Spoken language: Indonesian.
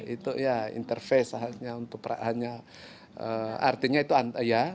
itu ya interface hanya untuk artinya itu ya